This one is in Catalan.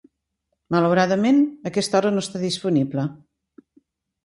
Malauradament, aquesta hora no està disponible.